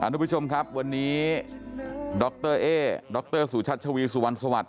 ทุกผู้ชมครับวันนี้ดรเอ๊ดรสุชัชวีสุวรรณสวัสดิ